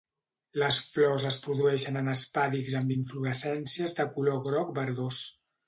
Les flors es produeixen en espàdix amb inflorescències de color groc verdós.